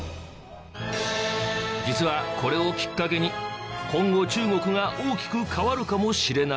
実はこれをきっかけに今後中国が大きく変わるかもしれない？